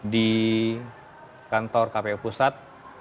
di kantor kpu pusat